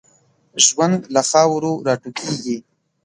ژوند له خاورو را ټوکېږي.